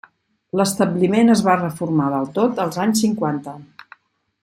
L'establiment es va reformar del tot als anys cinquanta.